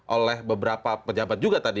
oleh beberapa pejabat juga tadi